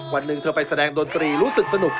วันหนึ่งเธอไปแสดงดนตรีรู้สึกสนุก